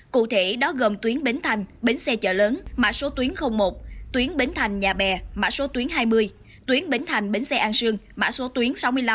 cụ thể đó gồm tuyến bến thành bến xe chợ lớn mã số tuyến một tuyến bến thành nhà bè mã số tuyến hai mươi tuyến bến thành bến xe an sương mã số tuyến sáu mươi năm